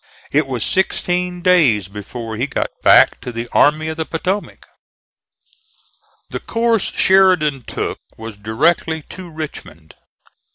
It was sixteen days before he got back to the Army of the Potomac. The course Sheridan took was directly to Richmond.